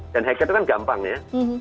dan hacker itu kan gampang ya